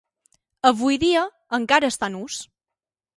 Avui dia encara està en ús.